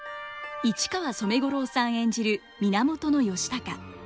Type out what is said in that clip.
市川染五郎さん演じる源義高。